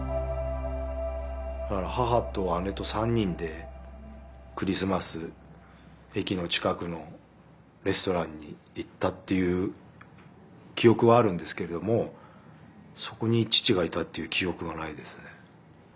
母と姉と３人でクリスマス駅の近くのレストランに行ったっていう記憶はあるんですけどもそこに父がいたっていう記憶はないですね。